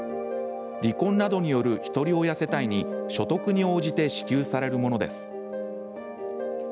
離婚などによる、ひとり親世帯に所得に応じて支給されるものです。